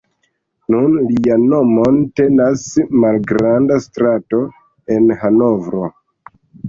Nun lian nomon tenas malgranda strato en Hanovro.